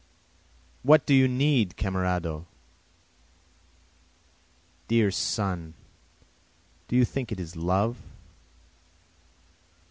What do you need camerado? Dear son do you think it is love?